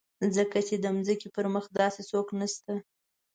ځکه چې د ځمکې پر مخ داسې څوک نشته.